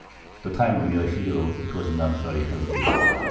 The Time we were here it was not very healthy.